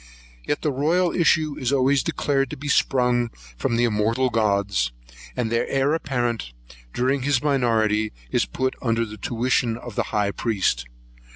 Yet the royal issue is always declared to be sprung from the immortal Gods; and the heir apparent, during his minority, is put under the tuition of the high priest.